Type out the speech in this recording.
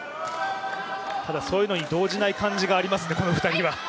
ただ、そういうのに動じない感じがありますね、この２人は。